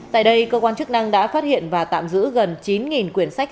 tại đây cơ quan chức năng đã phát hiện và tạm giữ gần chín quyển sách